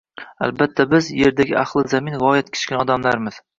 Albatta, biz — Yerdagi ahli zamin, g‘oyat kichkina odamlarmiz